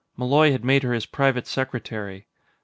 Malloy had made her his private secretary.